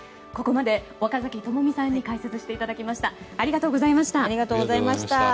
ここまで岡崎朋美さんに解説していただきました。